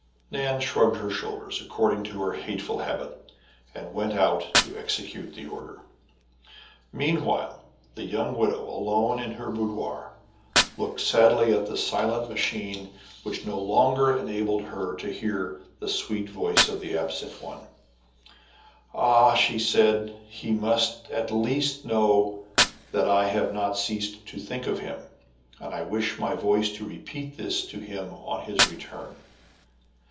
Nan shrugged her shoulders, according to her very hateful habit, and went out to execute the order. Meanwhile the young widow, alone in her boudoir, looked sadly at the silent machine, 158 TRIBULATIONS OF A CHINAMAN. which no longer enabled her to hear the sweet voice of the absent one. " Ah !" said she, " he must at least know that I have not ceased to think of him ; and I wish my voice to repeat this to him on his return."